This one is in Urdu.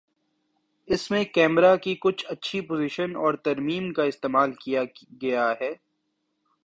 اس میں کیمرہ کی کچھ اچھی پوزیشن اور ترمیم کا استعمال کیا گیا ہے